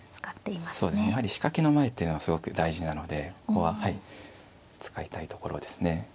そうですねやはり仕掛けの前っていうのはすごく大事なのでここははい使いたいところですね。